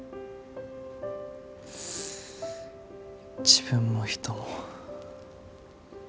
自分も人も。